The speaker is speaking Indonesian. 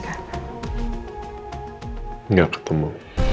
terima kasih ya